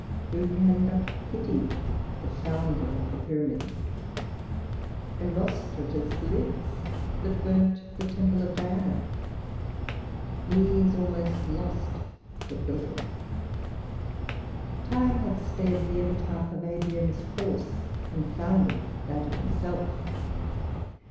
Who can but pity the founder of the pyramids? Erostratus lives that burnt the Temple of Diana; he is almost lost that built it. Time hath spared the epitaph of Adrian's horse, confounded that of himself.